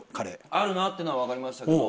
あるなっていうのはわかりましたけど